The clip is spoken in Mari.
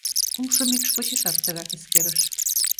Кумшо мӱкш почешат тыгак эскерыш.